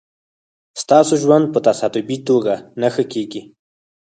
ستاسو ژوند په تصادفي توگه نه ښه کېږي